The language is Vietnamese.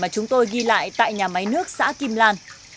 chúng tôi ghi lại tại nhà máy nước xã kim lan